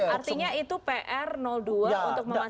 artinya itu pr dua untuk memastikan